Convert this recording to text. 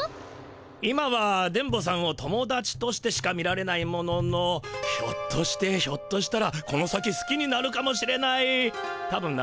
今は電ボさんを友だちとしてしか見られないもののひょっとしてひょっとしたらこの先すきになるかもしれないたぶんならないけど。